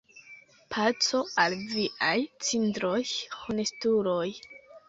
Paco al viaj cindroj, honestuloj!